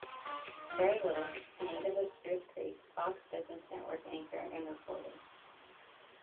Gerri Willis, Native of Spruce Creek, Fox Business Network Anchor and Reporter.